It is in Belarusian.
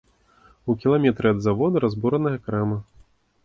У кіламетры ад завода разбураная крама.